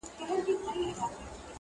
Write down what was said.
پاچهۍ لره تر لاس تر سترگه تېر وه؛